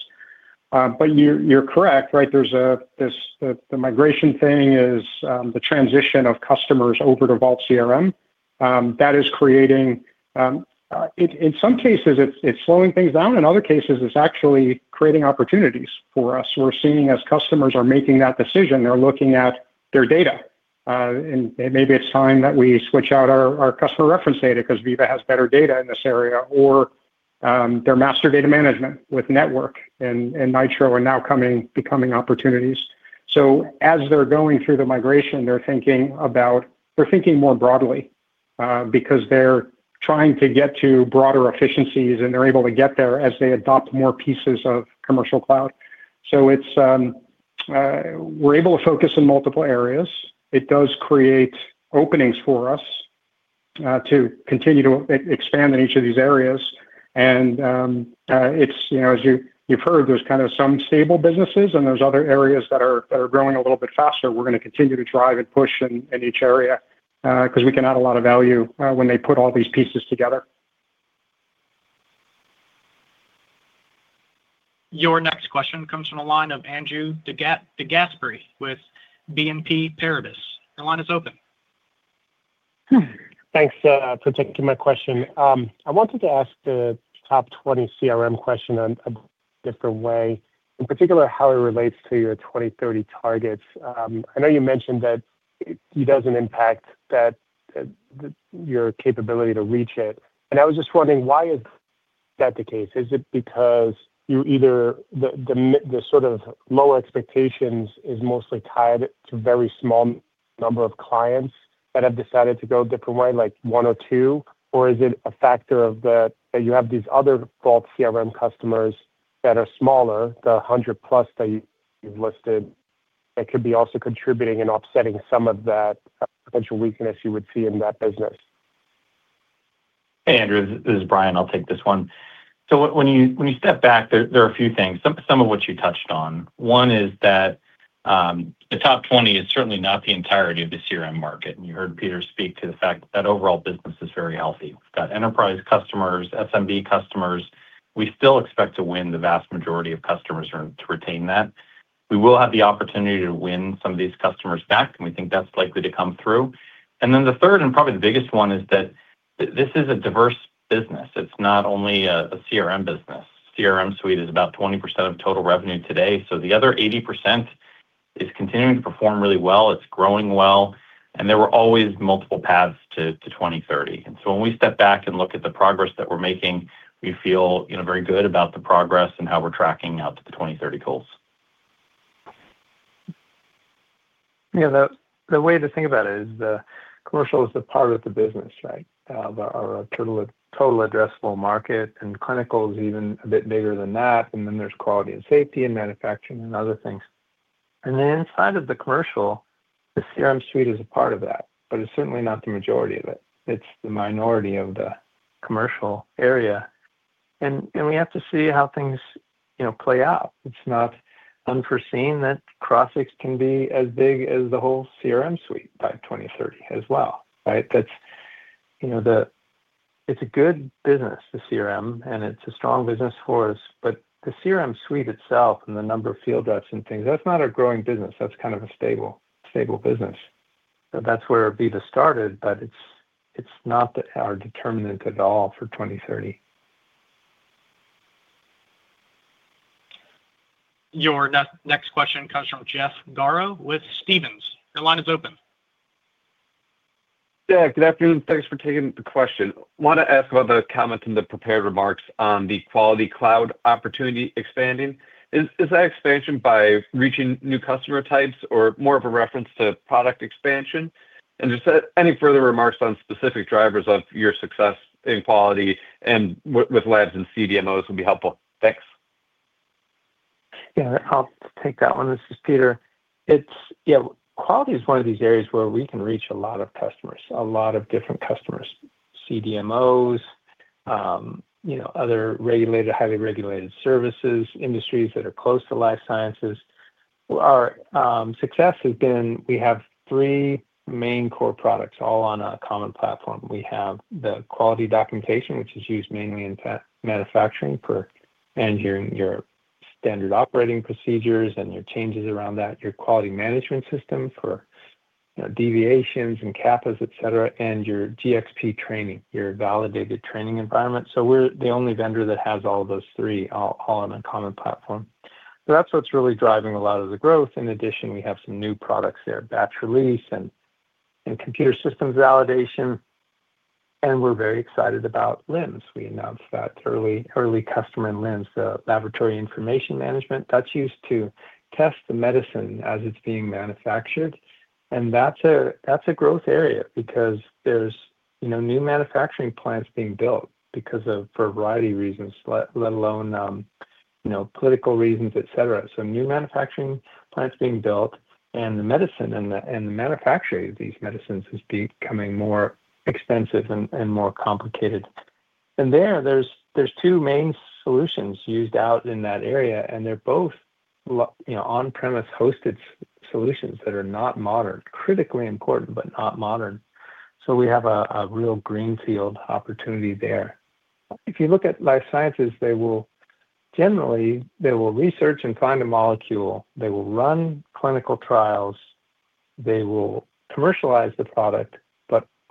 You're correct, right? The migration thing is the transition of customers over to Vault CRM. That is creating, in some cases, it's slowing things down. In other cases, it's actually creating opportunities for us. We're seeing as customers are making that decision, they're looking at their data. Maybe it's time that we switch out our customer reference data because Veeva has better data in this area or their master data management with Network and Nitro are now becoming opportunities. As they're going through the migration, they're thinking more broadly because they're trying to get to broader efficiencies, and they're able to get there as they adopt more pieces of commercial cloud. We're able to focus in multiple areas. It does create openings for us to continue to expand in each of these areas. As you've heard, there's kind of some stable businesses, and there's other areas that are growing a little bit faster. We're going to continue to drive and push in each area because we can add a lot of value when they put all these pieces together.
Your next question comes from a line of Andrew DeGasbury with BNP Paribas. Your line is open. Thanks for taking my question. I wanted to ask the top 20 CRM question in a different way, in particular how it relates to your 2030 targets. I know you mentioned that it doesn't impact your capability to reach it. I was just wondering, why is that the case? Is it because either the sort of lower expectations is mostly tied to a very small number of clients that have decided to go a different way, like one or two, or is it a factor of that you have these other Vault CRM customers that are smaller, the 100-plus that you've listed? It could be also contributing and offsetting some of that potential weakness you would see in that business?
Hey, Andrew, this is Brian. I'll take this one. When you step back, there are a few things, some of which you touched on. One is that the top 20 is certainly not the entirety of the CRM market. You heard Peter speak to the fact that overall business is very healthy. We've got enterprise customers, SMB customers. We still expect to win the vast majority of customers to retain that. We will have the opportunity to win some of these customers back, and we think that's likely to come through. The third and probably the biggest one is that this is a diverse business. It's not only a CRM business. CRM suite is about 20% of total revenue today. The other 80% is continuing to perform really well. It's growing well. There were always multiple paths to 2030. When we step back and look at the progress that we're making, we feel very good about the progress and how we're tracking out to the 2030 goals.
Yeah. The way to think about it is the commercial is the part of the business, right, of our total addressable market. Clinical is even a bit bigger than that. Then there is quality and safety and manufacturing and other things. Inside of the commercial, the CRM suite is a part of that, but it is certainly not the majority of it. It is the minority of the commercial area. We have to see how things play out. It is not unforeseen that Crossix can be as big as the whole CRM suite by 2030 as well, right? It is a good business, the CRM, and it is a strong business for us. The CRM suite itself and the number of field reps and things, that is not a growing business. That is kind of a stable business. That is where Veeva started, but it is not our determinant at all for 2030.
Your next question comes from Jeff Garro with Stephens. Your line is open.
Yeah. Good afternoon. Thanks for taking the question. I want to ask about the comments and the prepared remarks on the quality cloud opportunity expanding. Is that expansion by reaching new customer types or more of a reference to product expansion? Just any further remarks on specific drivers of your success in quality and with labs and CDMOs would be helpful? Thanks.
Yeah. I'll take that one. This is Peter. Yeah. Quality is one of these areas where we can reach a lot of customers, a lot of different customers, CDMOs, other highly regulated services, industries that are close to life sciences. Our success has been we have three main core products all on a common platform. We have the quality documentation, which is used mainly in manufacturing for managing your standard operating procedures and your changes around that, your quality management system for deviations and CAPAs, etc., and your GxP training, your validated training environment. We are the only vendor that has all of those three all on a common platform. That is what is really driving a lot of the growth. In addition, we have some new products there, batch release and computer systems validation. We are very excited about LIMS. We announced that early customer in LIMS, the laboratory information management. That's used to test the medicine as it's being manufactured. That's a growth area because there's new manufacturing plants being built because of a variety of reasons, let alone political reasons, etc. New manufacturing plants being built and the medicine and the manufacturing of these medicines is becoming more expensive and more complicated. There's two main solutions used out in that area, and they're both on-premise hosted solutions that are not modern, critically important, but not modern. We have a real greenfield opportunity there. If you look at life sciences, generally, they will research and find a molecule. They will run clinical trials. They will commercialize the product.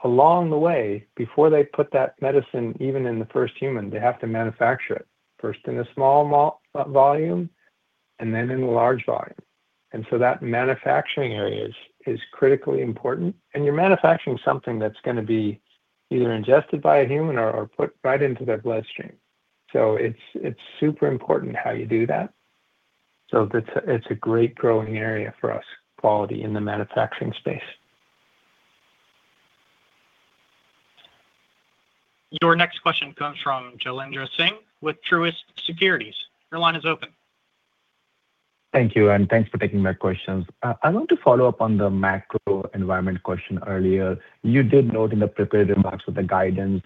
Along the way, before they put that medicine even in the first human, they have to manufacture it first in a small volume and then in a large volume. That manufacturing area is critically important. You are manufacturing something that is going to be either ingested by a human or put right into their bloodstream. It is super important how you do that. It is a great growing area for us, quality in the manufacturing space.
Your next question comes from Jalindra Singh with Truist Securities. Your line is open.
Thank you. Thank you for taking my questions. I want to follow up on the macro environment question earlier. You did note in the prepared remarks that the guidance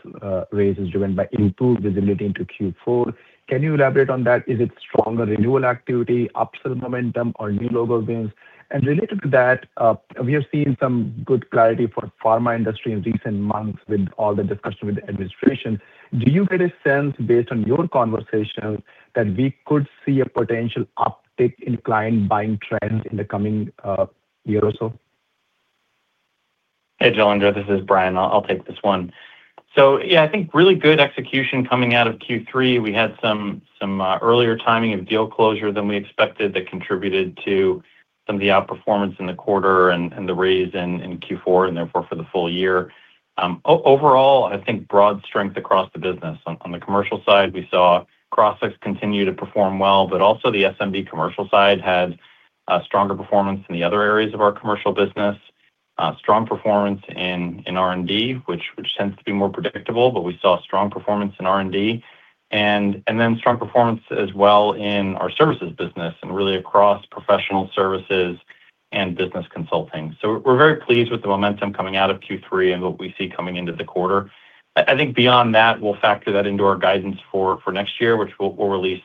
raise is driven by improved visibility into Q4. Can you elaborate on that? Is it stronger renewal activity, upsell momentum, or new logo wins? Related to that, we have seen some good clarity for pharma industry in recent months with all the discussion with the administration. Do you get a sense, based on your conversation, that we could see a potential uptick in client buying trends in the coming year or so?
Hey, Jalindra. This is Brian. I'll take this one. Yeah, I think really good execution coming out of Q3. We had some earlier timing of deal closure than we expected that contributed to some of the outperformance in the quarter and the raise in Q4 and therefore for the full year. Overall, I think broad strength across the business. On the commercial side, we saw Crossix continue to perform well, but also the SMB commercial side had stronger performance in the other areas of our commercial business, strong performance in R&D, which tends to be more predictable, but we saw strong performance in R&D, and then strong performance as well in our services business and really across professional services and business consulting. We are very pleased with the momentum coming out of Q3 and what we see coming into the quarter. I think beyond that, we'll factor that into our guidance for next year, which we'll release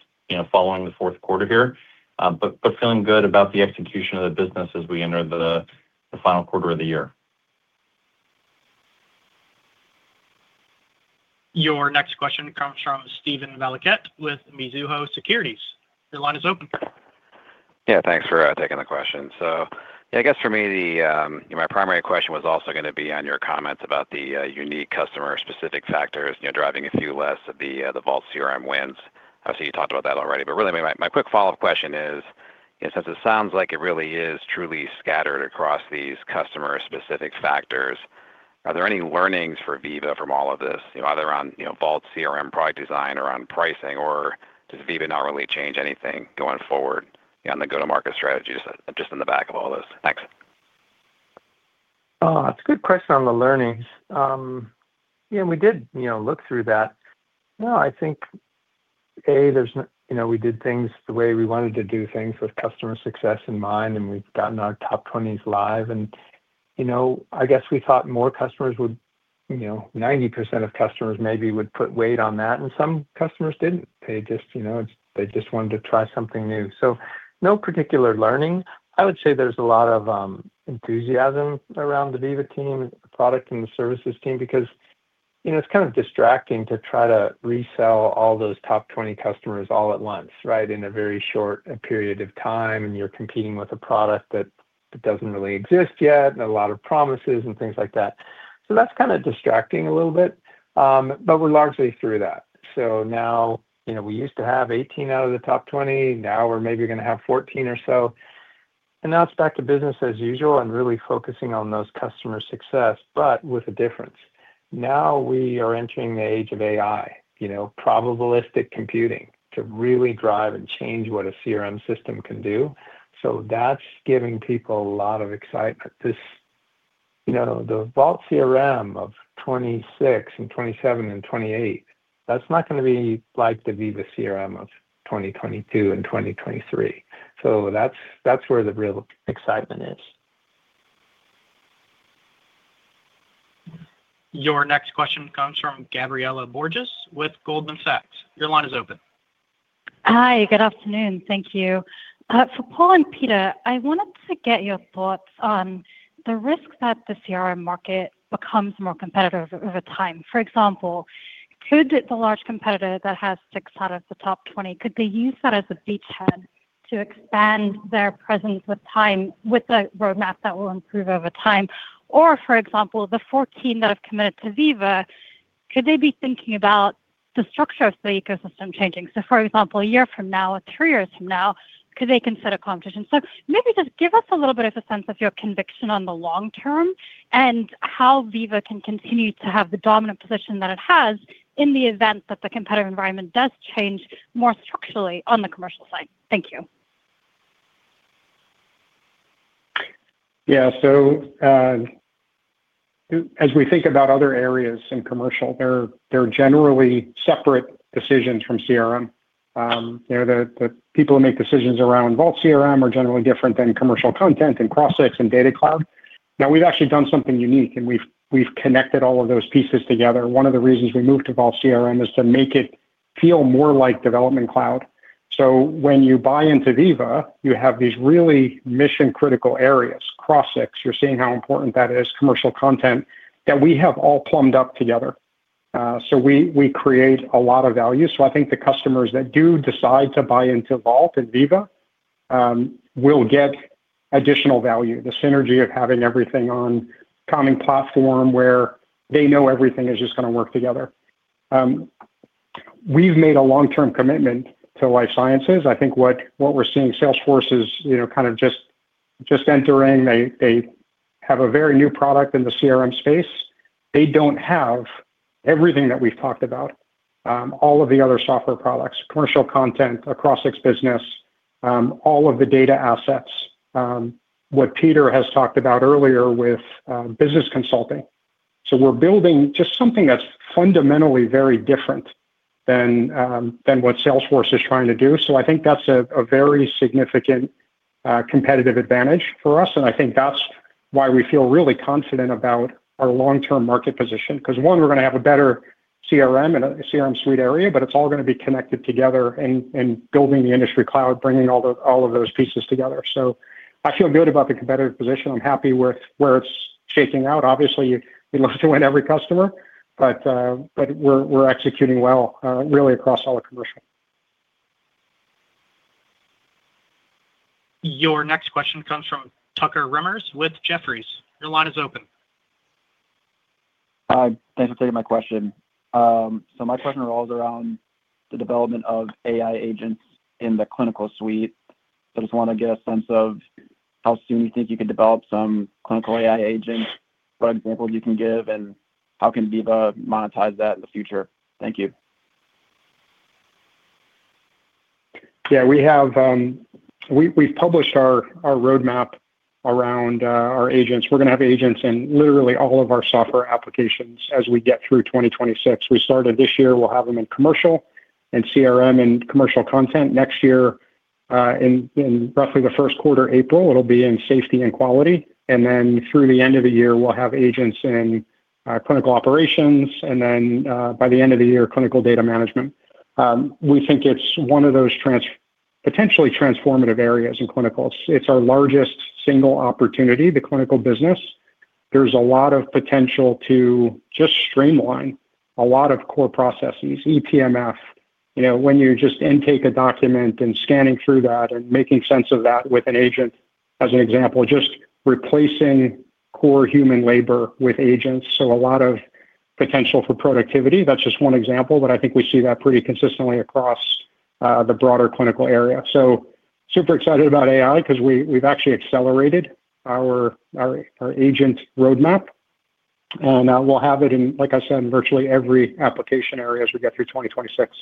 following the fourth quarter here, but feeling good about the execution of the business as we enter the final quarter of the year.
Your next question comes from Steven Valiquette with Mizuho Securities. Your line is open.
Yeah. Thanks for taking the question. Yeah, I guess for me, my primary question was also going to be on your comments about the unique customer-specific factors driving a few less of the Vault CRM wins. Obviously, you talked about that already. Really, my quick follow-up question is, since it sounds like it really is truly scattered across these customer-specific factors, are there any learnings for Veeva from all of this, either on Vault CRM product design or on pricing, or does Veeva not really change anything going forward on the go-to-market strategy just in the back of all this? Thanks.
Oh, that's a good question on the learnings. Yeah, we did look through that. Yeah, I think, A, we did things the way we wanted to do things with customer success in mind, and we've gotten our top 20s live. I guess we thought more customers would, 90% of customers maybe, would put weight on that, and some customers didn't. They just wanted to try something new. No particular learning. I would say there's a lot of enthusiasm around the Veeva team, the product, and the services team because it's kind of distracting to try to resell all those top 20 customers all at once, right, in a very short period of time, and you're competing with a product that doesn't really exist yet and a lot of promises and things like that. That is kind of distracting a little bit. We are largely through that. We used to have 18 out of the top 20. Now we're maybe going to have 14 or so. Now it's back to business as usual and really focusing on those customer success, but with a difference. Now we are entering the age of AI, probabilistic computing to really drive and change what a CRM system can do. That's giving people a lot of excitement. The Vault CRM of 2026 and 2027 and 2028, that's not going to be like the Veeva CRM of 2022 and 2023. That's where the real excitement is.
Your next question comes from Gabriela Borges with Goldman Sachs. Your line is open.
Hi. Good afternoon. Thank you. For Paul and Peter, I wanted to get your thoughts on the risk that the CRM market becomes more competitive over time. For example, could the large competitor that has six out of the top 20, could they use that as a beachhead to expand their presence with time with a roadmap that will improve over time? For example, the 14 that have committed to Veeva, could they be thinking about the structure of the ecosystem changing? For example, a year from now or three years from now, could they consider competition? Maybe just give us a little bit of a sense of your conviction on the long term and how Veeva can continue to have the dominant position that it has in the event that the competitive environment does change more structurally on the commercial side? Thank you.
Yeah. As we think about other areas in commercial, they're generally separate decisions from CRM. The people who make decisions around Vault CRM are generally different than commercial content and Crossix and Data Cloud. Now, we've actually done something unique, and we've connected all of those pieces together. One of the reasons we moved to Vault CRM is to make it feel more like Development Cloud. When you buy into Veeva, you have these really mission-critical areas, Crossix. You're seeing how important that is, commercial content that we have all plumbed up together. We create a lot of value. I think the customers that do decide to buy into Vault and Veeva will get additional value, the synergy of having everything on a common platform where they know everything is just going to work together. We've made a long-term commitment to life sciences. I think what we're seeing, Salesforce is kind of just entering. They have a very new product in the CRM space. They don't have everything that we've talked about, all of the other software products, commercial content, the Crossix business, all of the data assets, what Peter has talked about earlier with business consulting. We are building just something that's fundamentally very different than what Salesforce is trying to do. I think that's a very significant competitive advantage for us. I think that's why we feel really confident about our long-term market position because, one, we're going to have a better CRM and a CRM suite area, but it's all going to be connected together in building the industry cloud, bringing all of those pieces together. I feel good about the competitive position. I'm happy with where it's shaking out. Obviously, we love to win every customer, but we're executing well, really, across all of commercial.
Your next question comes from Tucker Remmers with Jefferies. Your line is open.
Thanks for taking my question. My question revolves around the development of AI agents in the clinical suite. I just want to get a sense of how soon you think you can develop some clinical AI agents, what examples you can give, and how can Veeva monetize that in the future? Thank you.
Yeah. We've published our roadmap around our agents. We're going to have agents in literally all of our software applications as we get through 2026. We started this year. We'll have them in commercial and CRM and commercial content. Next year, in roughly the first quarter, April, it'll be in safety and quality. Through the end of the year, we'll have agents in clinical operations. By the end of the year, clinical data management. We think it's one of those potentially transformative areas in clinicals. It's our largest single opportunity, the clinical business. There's a lot of potential to just streamline a lot of core processes, ETMF, when you just intake a document and scanning through that and making sense of that with an agent, as an example, just replacing core human labor with agents. A lot of potential for productivity. That's just one example, but I think we see that pretty consistently across the broader clinical area. Super excited about AI because we've actually accelerated our agent roadmap. We'll have it in, like I said, virtually every application area as we get through 2026.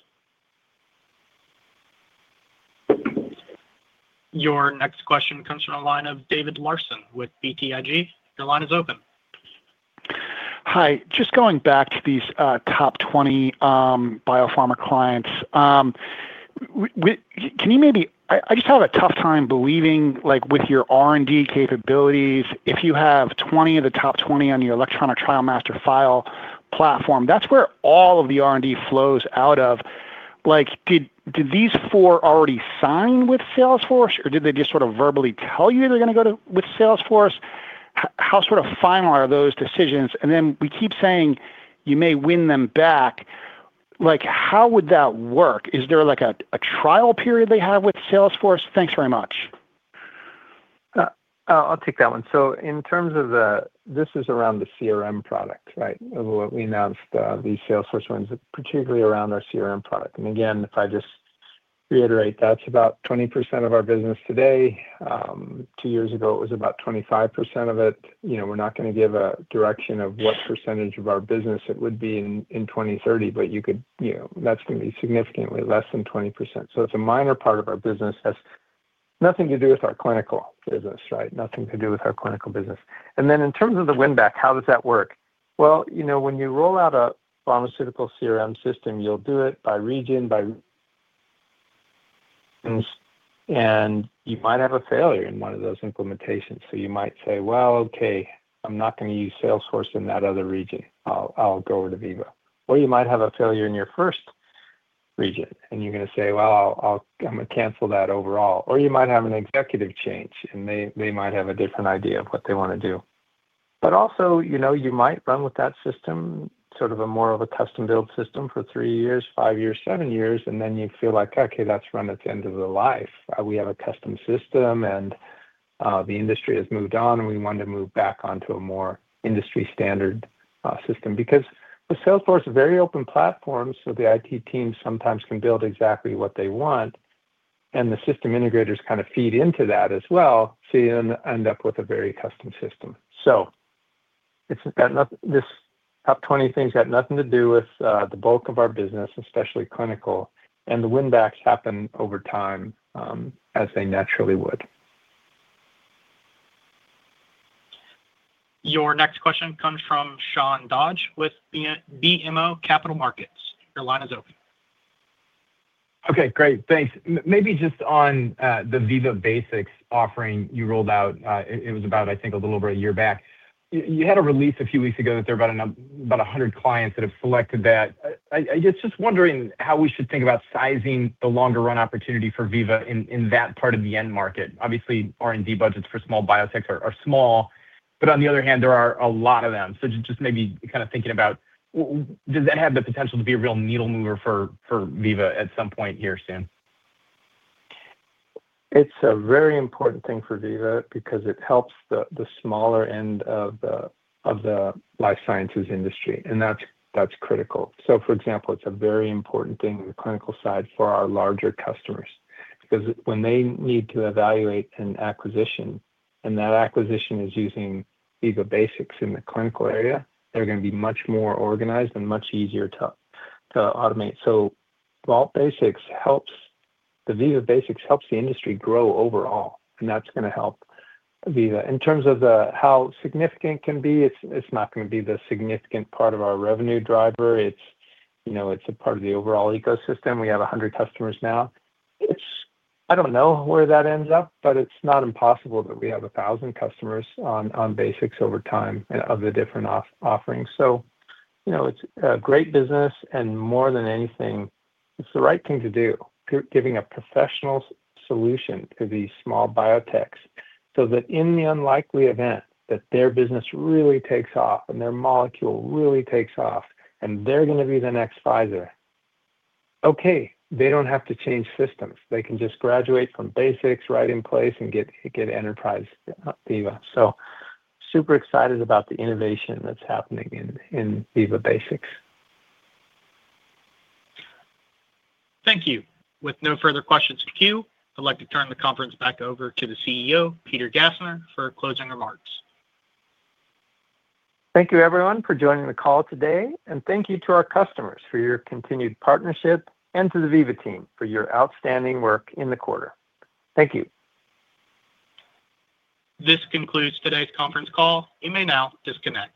Your next question comes from a line of David Larsen with BTIG. Your line is open.
Hi. Just going back to these top 20 biopharma clients, can you maybe—I just have a tough time believing with your R&D capabilities, if you have 20 of the top 20 on your Electronic Trial Master File platform, that's where all of the R&D flows out of. Did these four already sign with Salesforce, or did they just sort of verbally tell you they're going to go with Salesforce? How sort of final are those decisions? We keep saying you may win them back. How would that work? Is there a trial period they have with Salesforce? Thanks very much.
I'll take that one. In terms of the—this is around the CRM product, right, of what we announced, the Salesforce ones, particularly around our CRM product. Again, if I just reiterate, that's about 20% of our business today. Two years ago, it was about 25% of it. We're not going to give a direction of what percentage of our business it would be in 2030, but that's going to be significantly less than 20%. It's a minor part of our business. It has nothing to do with our clinical business, right? Nothing to do with our clinical business. In terms of the win-back, how does that work? When you roll out a pharmaceutical CRM system, you'll do it by region, by region, and you might have a failure in one of those implementations. You might say, "Well, okay, I'm not going to use Salesforce in that other region. I'll go with Veeva." Or you might have a failure in your first region, and you're going to say, "Well, I'm going to cancel that overall." Or you might have an executive change, and they might have a different idea of what they want to do. Also, you might run with that system, sort of more of a custom-built system for three years, five years, seven years, and then you feel like, "Okay, that's run at the end of the life. We have a custom system, and the industry has moved on, and we want to move back onto a more industry-standard system. Because with Salesforce, very open platform, so the IT team sometimes can build exactly what they want, and the system integrators kind of feed into that as well, so you end up with a very custom system. These top 20 things have nothing to do with the bulk of our business, especially clinical, and the win-backs happen over time as they naturally would.
Your next question comes from Sean Dodge with BMO Capital Markets. Your line is open.
Okay. Great. Thanks. Maybe just on the Vault Basics offering you rolled out, it was about, I think, a little over a year back. You had a release a few weeks ago that there are about 100 clients that have selected that. I guess just wondering how we should think about sizing the longer-run opportunity for Veeva in that part of the end market. Obviously, R&D budgets for small biotechs are small, but on the other hand, there are a lot of them. Just maybe kind of thinking about, does that have the potential to be a real needle mover for Veeva at some point here soon?
It's a very important thing for Veeva because it helps the smaller end of the life sciences industry, and that's critical. For example, it's a very important thing on the clinical side for our larger customers because when they need to evaluate an acquisition, and that acquisition is using Vault Basics in the clinical area, they're going to be much more organized and much easier to automate. Vault Basics helps the industry grow overall, and that's going to help Veeva. In terms of how significant it can be, it's not going to be the significant part of our revenue driver. It's a part of the overall ecosystem. We have 100 customers now. I don't know where that ends up, but it's not impossible that we have 1,000 customers on Basics over time and of the different offerings. It is a great business, and more than anything, it is the right thing to do, giving a professional solution to these small biotechs so that in the unlikely event that their business really takes off and their molecule really takes off and they are going to be the next Pfizer, okay, they do not have to change systems. They can just graduate from Basics, right in place, and get enterprise Veeva. Super excited about the innovation that is happening in Veeva Basics.
Thank you. With no further questions queued, I'd like to turn the conference back over to the CEO, Peter Gassner, for closing remarks.
Thank you, everyone, for joining the call today. Thank you to our customers for your continued partnership and to the Veeva team for your outstanding work in the quarter. Thank you.
This concludes today's conference call. You may now disconnect.